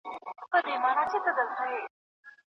نو پوهېږم چي غویی دی درېدلی